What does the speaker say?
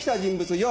４。